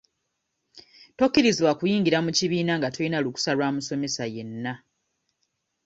Tokkirizibwa kuyingira mu kibiina nga tolina lukusa lwa musomesa yenna.